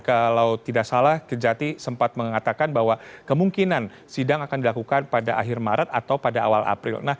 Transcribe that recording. kalau tidak salah kejati sempat mengatakan bahwa kemungkinan sidang akan dilakukan pada akhir maret atau pada awal april